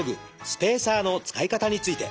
スペーサーの使い方について。